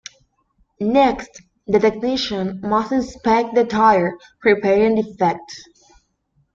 Next, the technician must inspect the tire, repairing defects.